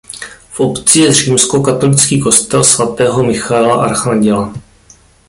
V obci je římskokatolický kostel svatého Michaela archanděla.